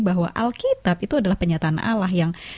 bahwa alkitab itu adalah penyataan allah yang